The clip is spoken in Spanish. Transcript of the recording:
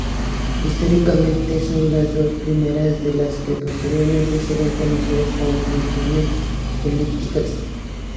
Históricamente, son las dos primeras de las que posteriormente serían conocidas como funciones elípticas.